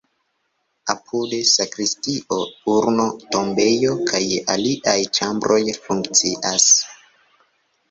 Apude sakristio, urno-tombejo kaj aliaj ĉambroj funkcias.